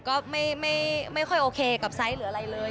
ก็ไม่ค่อยโอเคกับไซส์หรืออะไรเลย